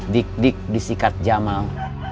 dik dik disikat jamal